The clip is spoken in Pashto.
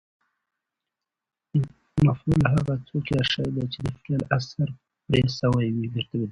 مفعول هغه څوک یا شی دئ، چي د فعل اثر پر سوی يي.